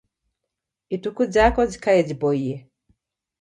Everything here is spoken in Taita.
Ituku jako jikaie jiboiye